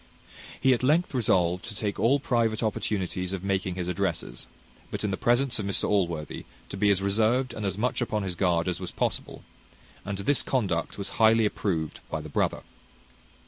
He at length resolved to take all private opportunities of making his addresses; but in the presence of Mr Allworthy to be as reserved and as much upon his guard as was possible; and this conduct was highly approved by the brother.